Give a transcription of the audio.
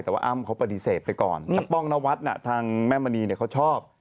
แต่ว่าอ้ำเขาปฏิเสธไปก่อนถ้าป้องนวัตน์น่ะทางแม่มณีเนี่ยเขาชอบ